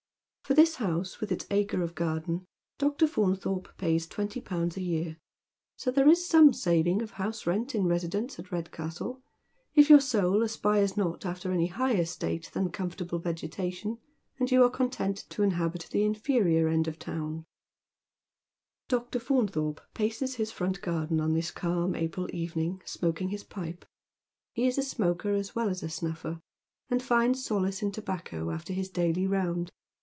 For this house, with its acre of garden. Dr. Faunthorpe pays twenty pounds a year ; so there is some saving of house rent in Tosidence at Redcastle, if your bouI aspires not after any higher Drifting into Haven, 47 Btate than comfortable vegetation, and you are content to Inhabit the infeiior end of the town. Dr. Faunthorpe paces his front garden on this calm April evening, smoking his pipe. He is a smoker as well as a snuffer, and finds solace in tobacco after his daily round.